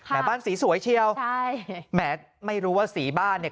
บ้านสีสวยเชียวใช่แหมไม่รู้ว่าสีบ้านเนี่ย